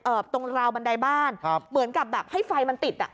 เกือบตรงราวบันไดบ้านเหมือนกับแบบให้ไฟมันติด